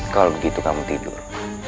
kalau begitu kamu tidur